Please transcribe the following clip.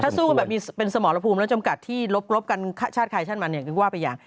ถ้าสู้แบบมีสมอรพภูมิและจำกัดที่ลบกันชาติคายชาติมันเนี่ยก็ว่าไปอย่าง